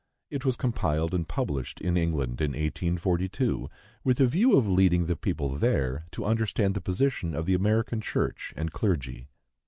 It was compiled and published in England, in 1842, with a view of leading the people there to understand the position of the American church and clergy.